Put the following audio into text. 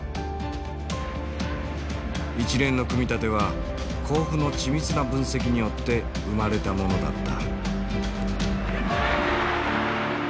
一連の組み立ては甲府の緻密な分析によって生まれたものだった。